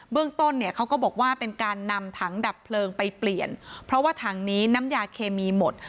เรื่องต้นเนี่ยเขาก็บอกว่าเป็นการนำถังดับเพลิงไปเปลี่ยนเพราะว่าถังนี้น้ำยาเคมีหมด